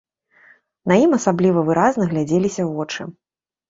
На ім асабліва выразна глядзеліся вочы.